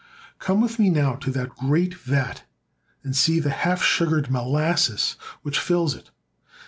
Come with me now to that great vat, and see the half sugared molasses which fills it.